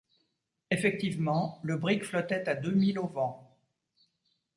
Effectivement, le brick flottait à deux milles au vent.